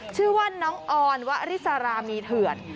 ชื่อว่าน้องออนวริสารามีเถื่อน